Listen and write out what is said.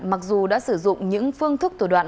mặc dù đã sử dụng những phương thức thủ đoạn